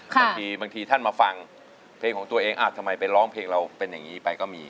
บางทีบางทีท่านมาฟังเพลงของตัวเองทำไมไปร้องเพลงเราเป็นอย่างนี้ไปก็มี